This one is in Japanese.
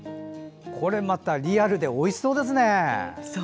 これまたリアルでおいしそうですね。